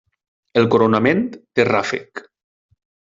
El coronament té ràfec.